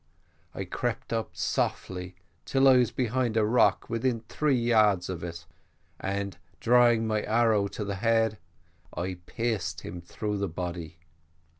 I crept up softly till I was behind a rock within three yards of it, and drawing my arrow to the head I pierced him through the body.